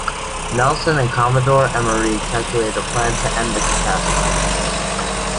Nelson and Commodore Emery calculate a plan to end the catastrophe.